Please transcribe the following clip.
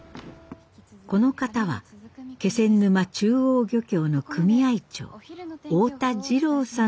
この方は気仙沼中央漁協の組合長太田滋郎さんです。